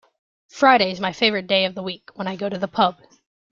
Friday is my favourite day of the week, when I go to the pub